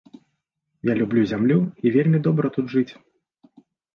Я люблю зямлю, і вельмі добра тут жыць.